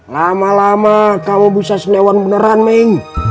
lama lama kamu bisa senewan beneran ming